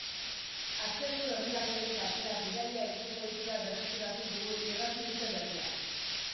Atzerriko herrialderen batera bidaia egiteko ohitura berreskuratu dugu irrati urte berrian.